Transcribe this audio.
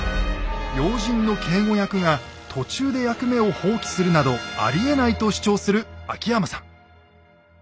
要人の警護役が途中で役目を放棄するなどありえないと主張する秋山さん。